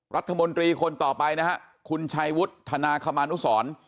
รัฐมนตรีคนต่อไปนะฮะคุณชัยวุฒนาคมานุสร